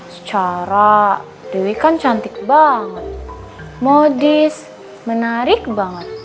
secara dewi kan cantik banget modis menarik banget